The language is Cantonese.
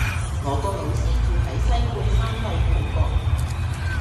我個老師住喺西半山帝豪閣